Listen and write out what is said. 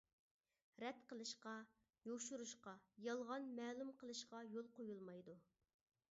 رەت قىلىشقا، يوشۇرۇشقا، يالغان مەلۇم قىلىشقا يول قويۇلمايدۇ.